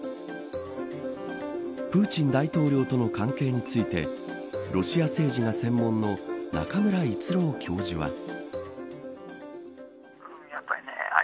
プーチン大統領との関係についてロシア政治が専門の中村逸郎教授は。